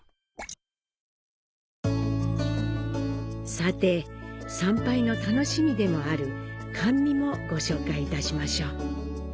さて、参拝の楽しみでもある甘味もご紹介いたしましょう。